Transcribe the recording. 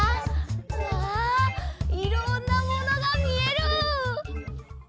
うわいろんなものがみえる！